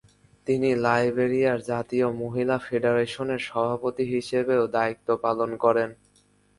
তিনি লাইবেরিয়ার জাতীয় মহিলা ফেডারেশনের সভাপতি হিসেবেও দায়িত্ব পালন করেন।